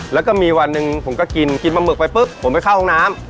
แล้วก็มีวันหนึ่งผมก็กินกินปลาหมึกไปปุ๊บผมไปเข้าห้องน้ำ